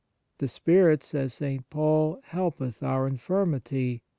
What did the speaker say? " The Spirit," says St. Paul, " helpeth our infirmity.